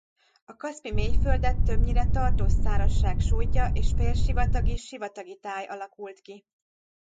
A Kaszpi-mélyföldet többnyire tartós szárazság sújtja és félsivatagi-sivatagi táj alakult ki.